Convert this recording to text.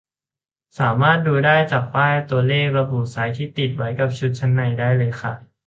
สามารถดูได้จากป้ายตัวเลขระบุไซซ์ที่ติดไว้กับชุดชั้นในได้เลยค่ะ